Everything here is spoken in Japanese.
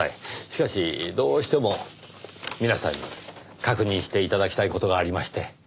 しかしどうしても皆さんに確認して頂きたい事がありまして。